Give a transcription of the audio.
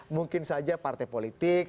mungkin saja partai politik